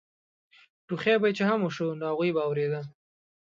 ټوخی به چې هم وشو نو هغوی به اورېده.